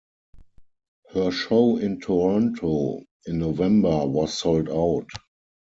Her show in Toronto in November was sold out.